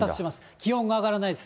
気温が上がらないです。